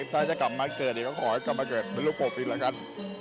ถ้าจะกลับมาเกิดเขาขอให้กลับมาเกิดเป็นลูกปกปิดแล้วกัน